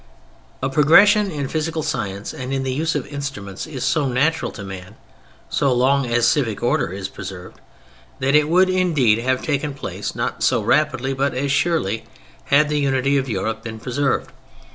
A progression in physical science and in the use of instruments is so natural to man (so long as civic order is preserved) that it would, indeed, have taken place, not so rapidly, but as surely, had the unity of Europe been preserved.